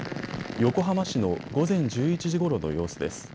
横浜市の午前１１時ごろの様子です。